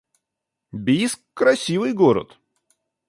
Бийск — красивый город